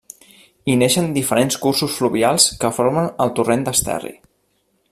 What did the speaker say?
Hi neixen diferents cursos fluvials que formen el Torrent d'Esterri.